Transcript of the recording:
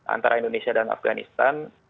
antara indonesia dan afganistan